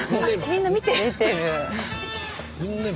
みんな見てる。